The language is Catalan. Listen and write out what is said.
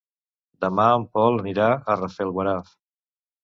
Demà en Pau anirà a Rafelguaraf.